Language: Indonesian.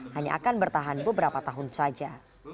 hanya akan bertahan beberapa tahun saja